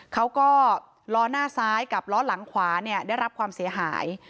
เขาก็ล้อหน้าซ้ายกับล้อหลังขวาเนี่ยได้รับความเสียหาย